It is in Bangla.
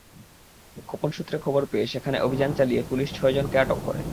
গোপন সূত্রে খবর পেয়ে সেখানে অভিযান চালিয়ে পুলিশ ছয়জনকে আটক করে।